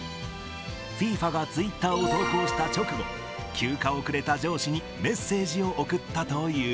ＦＩＦＡがツイッターを投稿した直後、休暇をくれた上司にメッセージを送ったという。